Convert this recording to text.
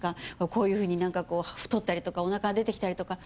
こういうふうになんかこう太ったりとかおなかが出てきたりとか。